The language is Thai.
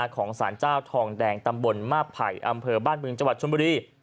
ของสารเจ้าทองแดงตำบลมาภัยอำเภอบ้านบึงจวัตรชุมบุรี